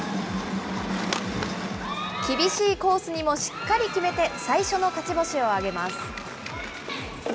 厳しいコースにもしっかり決めて、最初の勝ち星を挙げます。